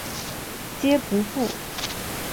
皆不赴。